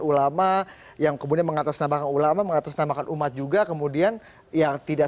ulama yang kemudian mengatasnamakan ulama mengatasnamakan umat juga kemudian yang tidak